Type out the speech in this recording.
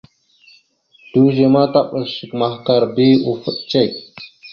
Slʉze ma taɓas shek mahəkar bi ufaɗ cek.